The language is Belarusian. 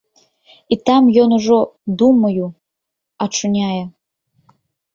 І там ён ужо, думаю, ачуняе!